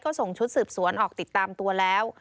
ก็ส่งชุดสืบสวนออกติดตามตัวแล้ว